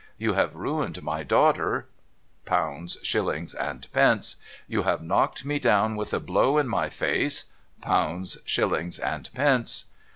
You have ruined my daughter — pounds, shillings, and pence ! You have knocked me down with a blow in my face — pounds, shillings, and pence